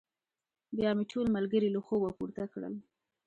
بيا مې ټول ملګري له خوبه پورته کړل.